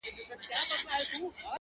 خدایه سترګي مي ړندې ژبه ګونګۍ کړې -